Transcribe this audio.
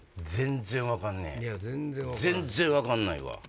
全然分かんねえ全然分かんないわ。